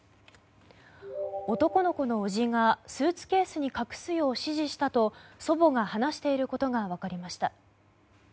男の子の叔父がスーツケースに隠すよう指示したと祖母が話していることが分かりました。